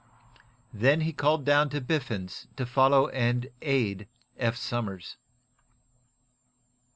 Then he called down to Biffens to follow and aid Eph Somers.